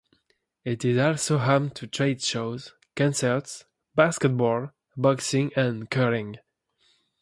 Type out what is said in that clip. It is also home to trade shows, concerts, basketball, boxing and curling.